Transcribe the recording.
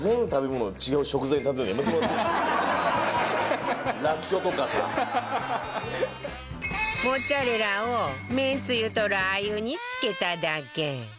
モッツァレラをめんつゆとラー油に漬けただけ